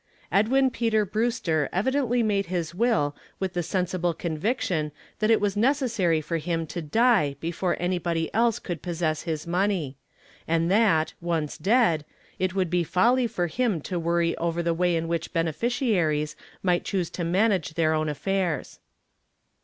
Edwin Peter Brewster evidently made his will with the sensible conviction that it was necessary for him to die before anybody else could possess his money, and that, once dead, it would be folly for him to worry over the way in which beneficiaries might choose to manage their own affairs.